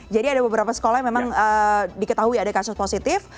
jadi ada beberapa sekolah memang diketahui ada kasus positif